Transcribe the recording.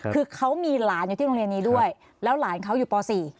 คือเขามีหลานอยู่ที่โรงเรียนนี้ด้วยแล้วหลานเขาอยู่ป๔